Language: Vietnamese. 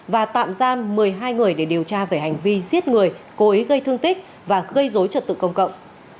và tạm giam một mươi hai người để điều tra về hành vi giết người cố ý gây thương tích và gây dối trật tự công cộng